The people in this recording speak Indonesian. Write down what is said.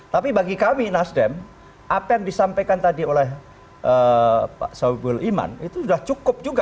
tapi bagi kami nasdem apa yang disampaikan tadi oleh pak soebul iman itu sudah cukup juga